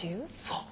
そう！